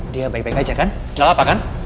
dia baik baik aja kan nggak apa apa kan